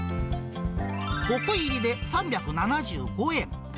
５個入りで３７５円。